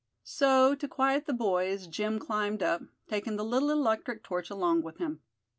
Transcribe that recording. So, to quiet the boys, Jim climbed up, taking the little electric torch along with him.